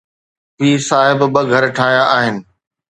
پير صاحب ٻه گهر ٺاهيا آهن.